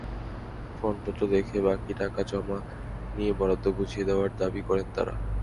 প্রমাণপত্র দেখে বাকি টাকা জমা নিয়ে বরাদ্দ বুঝিয়ে দেওয়ার দাবি করেন তাঁরা।